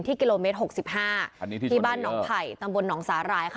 ที่กิโลเมตรหกสิบห้าอันนี้ที่บ้านนองไผ่ต่ำบนนองสารายค่ะ